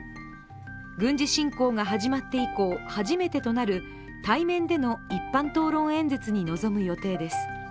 軍事侵攻が始まって以降初めてとなる対面での一般討論演説に臨む予定です。